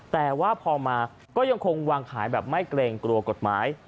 แต่ว่าพอมาก็ยังคงวางขายแบบไม่เกรงกลัวกฎหมาย